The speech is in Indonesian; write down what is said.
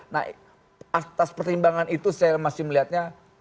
nah atas pertimbangan itu saya masih melihatnya